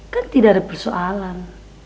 kan tidak ada persoalan